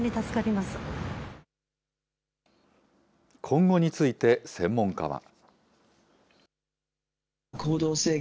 今後について、専門家は。